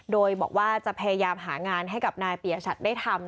โดยบอกว่าจะพยายามหางานให้กับนายปียชัดได้ทำ